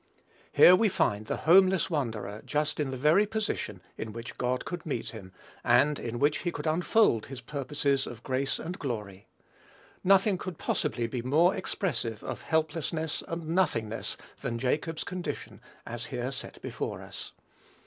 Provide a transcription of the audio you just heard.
Here we find the homeless wanderer just in the very position in which God could meet him, and in which he could unfold his purposes of grace and glory. Nothing could possibly be more expressive of helplessness and nothingness than Jacob's condition as here set before us.